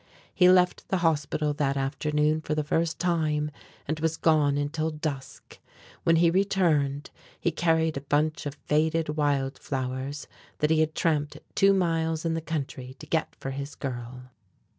He left the hospital that afternoon for the first time, and was gone until dusk. When he returned he carried a bunch of faded wild flowers that he had tramped two miles in the country to get for his girl.